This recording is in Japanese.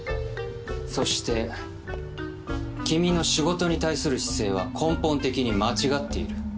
そして君の仕事に対する姿勢は根本的に間違っている。